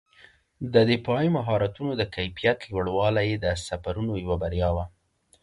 د دفاعي مهارتونو د کیفیت لوړوالی یې د سفرونو یوه بریا وه.